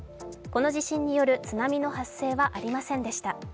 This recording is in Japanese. この地震による津波の発生はありませんでした。